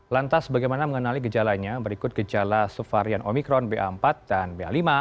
lantas bagaimana mengenali gejalanya berikut gejala subvarian omikron ba empat dan ba lima